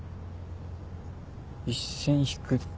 一線引くって。